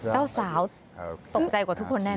เจ้าสาวตกใจกว่าทุกคนแน่น